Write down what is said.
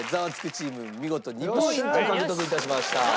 チーム見事２ポイント獲得致しました。